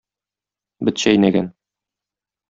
Бет чәйнәгән.